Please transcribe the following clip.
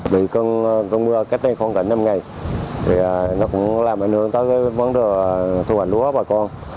bị cơn mưa cách đây khoảng năm ngày nó cũng làm ảnh hưởng tới vấn đề thu hoạch lúa của bà con